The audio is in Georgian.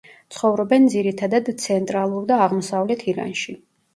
ცხოვრობენ ძირითადად ცენტრალურ და აღმოსავლეთ ირანში.